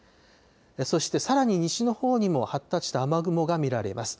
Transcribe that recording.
そしてさらに西のほうにも、発達した雨雲が見られます。